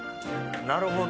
なるほど。